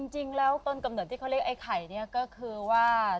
จริงแล้วต้นกำเนิดที่เขาเรียกไอ้ไข่เนี่ยก็คือว่า